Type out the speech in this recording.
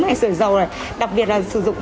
hay sửa dầu đặc biệt là sử dụng